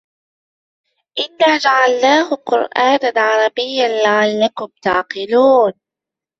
إنا جعلناه قرآنا عربيا لعلكم تعقلون